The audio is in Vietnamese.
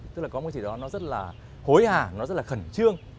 tức là có một cái gì đó nó rất là hối hả nó rất là khẩn trương